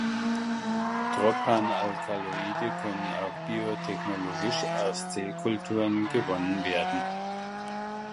Tropan-Alkaloide können auch biotechnologisch aus Zellkulturen gewonnen werden.